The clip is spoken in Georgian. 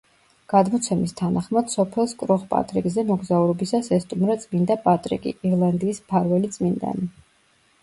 გადმოცემის თანახმად, სოფელს კროხ–პატრიკზე მოგზაურობისას ესტუმრა წმინდა პატრიკი, ირლანდიის მფარველი წმინდანი.